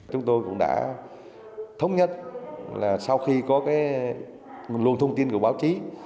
chúng tôi cũng đã thống nhất là sau khi có luồng thông tin của báo chí